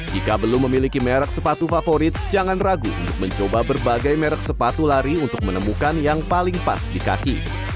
jika belum memiliki merek sepatu favorit jangan ragu untuk mencoba berbagai merek sepatu lari untuk menemukan yang paling pas di kaki